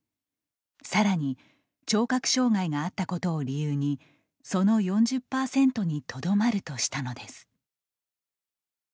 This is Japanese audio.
さらに、聴覚障害があったことを理由にその４０％にとどまるとしたのです。